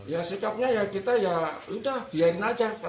ya sikapnya ya kita ya udah biarin aja